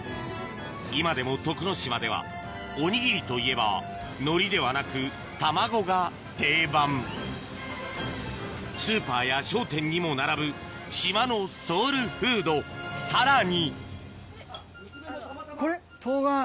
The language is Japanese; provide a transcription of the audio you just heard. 今でも徳之島ではおにぎりといえば海苔ではなく卵が定番スーパーや商店にも並ぶ島のソウルフードさらにこれ？